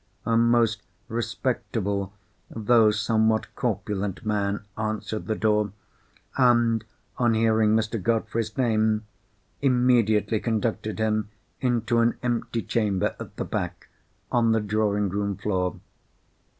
A most respectable though somewhat corpulent man answered the door, and, on hearing Mr. Godfrey's name, immediately conducted him into an empty apartment at the back, on the drawing room floor.